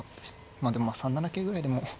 まあでも３七桂ぐらいでも。